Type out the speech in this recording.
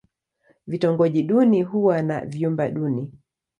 Vitongoji duni huwa na vyumba duni.